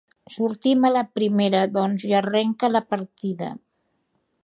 Sortim a la primera, doncs, i arrenca la partida.